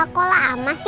aku kok keras ya